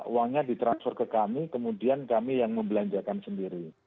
uangnya ditransfer ke kami kemudian kami yang membelanjakan sendiri